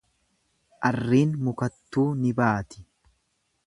Arriin mukattuu ni baati.